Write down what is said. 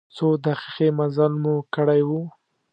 څو دقیقې مزل مو کړی و.